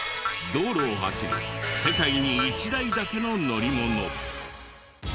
道路を走る世界に１台だけの乗り物。